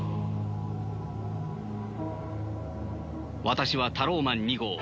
私はタローマン２号。